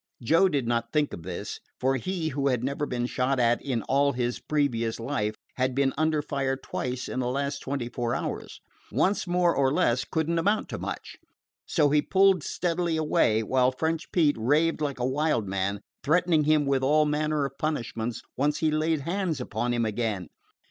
Joe did not think of this, for he, who had never been shot at in all his previous life, had been under fire twice in the last twenty four hours. Once more or less could n't amount to much. So he pulled steadily away, while French Pete raved like a wild man, threatening him with all manner of punishments once he laid hands upon him again.